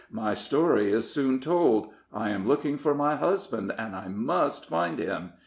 "My story is soon told. I am looking for my husband, and I must find him.